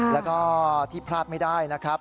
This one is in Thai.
แล้วก็ที่พลาดไม่ได้นะครับ